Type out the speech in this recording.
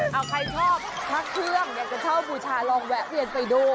เอาใครชอบพระเครื่องอยากจะชอบบูชาลองแวะเวียนไปดู